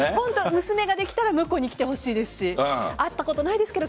娘ができたら婿に来てほしいですし会ったことないですけど。